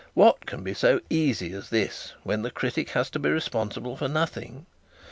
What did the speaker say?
What can be so easy as this when the critic has to be responsible for nothing?